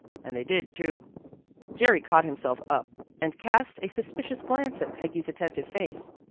And they did too." Jerry caught himself up, and cast a suspicious glance at Peggy's attentive face.